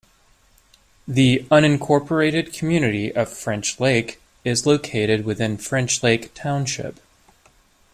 The unincorporated community of French Lake is located within French Lake Township.